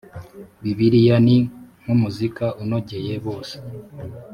bibiliya ni nk’umuzika unogeye bose